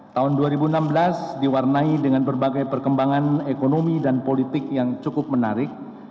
tahun dua ribu enam belas diwarnai dengan berbagai perkembangan ekonomi dan politik yang cukup menarik